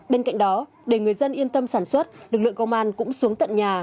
bên cạnh đó để người dân yên tâm sản xuất lực lượng công an cũng xuống tận nhà